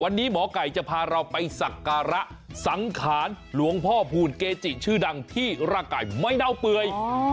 วันนี้หมอไก่จะพาเราไปสักการะสังขารหลวงพ่อพูลเกจิชื่อดังที่ร่างกายไม่เน่าเปื่อย